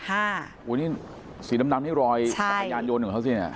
อันนี้สีดำที่รอยจักรยานยนต์เหมือนเขาสิ